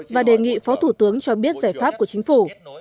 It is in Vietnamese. và đề nghị phó thủ tướng cho biết giải pháp của chính phủ